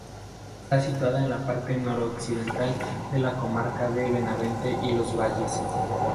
Está situada en la parte noroccidental de la comarca de Benavente y Los Valles.